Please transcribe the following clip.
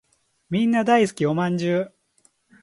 みんな大好きお饅頭